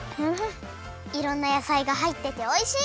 いろんなやさいがはいってておいしい！